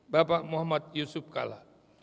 bapak muhammad yusuf kala